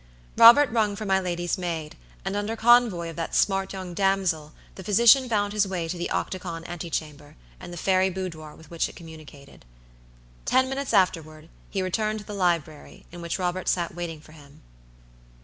Robert rung for my lady's maid, and under convoy of that smart young damsel the physician found his way to the octagon antechamber, and the fairy boudoir with which it communicated. Ten minutes afterward, he returned to the library, in which Robert sat waiting for him.